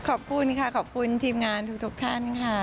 ขอบคุณค่ะขอบคุณทีมงานทุกท่านค่ะ